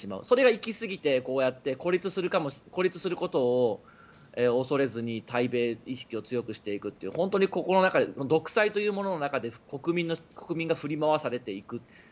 それが行き過ぎて、こうやって孤立することを恐れずに対米意識を強くしていくというここの中で独裁というものの中で国民が振り回されていく。